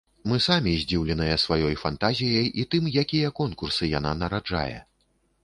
Мы самі здзіўленыя сваёй фантазіяй і тым, якія конкурсы яна нараджае.